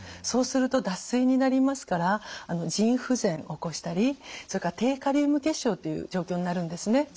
そうすると脱水になりますから腎不全起こしたりそれから低カリウム血症っていう状況になるんですね。